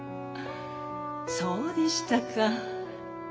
そうでしたか。